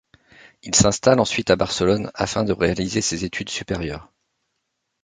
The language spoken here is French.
Il s'installe ensuite à Barcelone afin de réaliser ses études supérieures.